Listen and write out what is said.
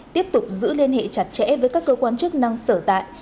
tiếp tục giữ liên hệ chặt chẽ với các cơ quan chức năng sở tại